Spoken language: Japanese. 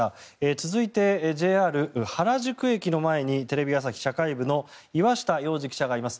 続いて、ＪＲ原宿駅の前にテレビ朝日社会部の岩下耀司記者がいます。